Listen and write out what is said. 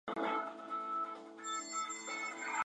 Club Brit.